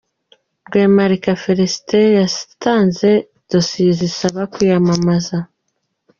Rwemarika Felicite yatanze dosiye zisaba kwiyamamaza.